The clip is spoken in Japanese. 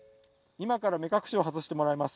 今から目隠しを外してもらいます。